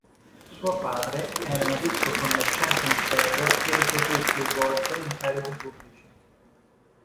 Suo padre era un ricco commerciante in ferro che ricoprì più volte incarichi pubblici.